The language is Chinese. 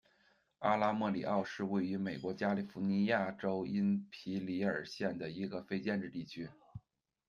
阿拉莫里奥是位于美国加利福尼亚州因皮里尔县的一个非建制地区。